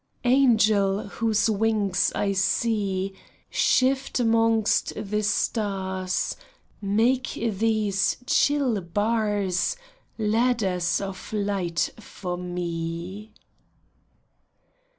Angel, whose wings I see Shift 'mongst the stars, Make these chill bars Ladders of light for me.